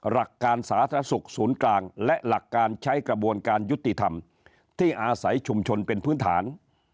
หลักการสาธารณสุขศูนย์กลางและหลักการใช้กระบวนการยุติธรรมที่อาศัยชุมชนเป็นพื้นฐาน